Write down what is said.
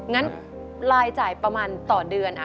งั้นรายจ่ายประมาณต่อเดือน